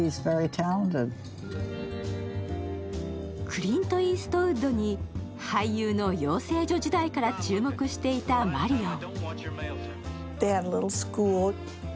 クリント・イーストウッドに俳優の養成所時代から注目していたマリオン。